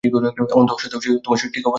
অন্ধ হওয়া স্বত্তেও, সে ঠিক অবস্থানে আছে।